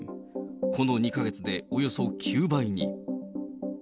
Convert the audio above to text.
この２か月でおよそ９倍に。